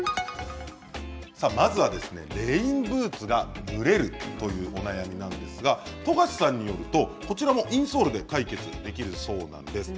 まずは、レインブーツが蒸れるというお悩みなんですが富樫さんによるとこちらもインソールで解決できるそうなんです。